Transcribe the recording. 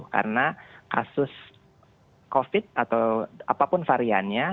karena kasus covid atau apapun variannya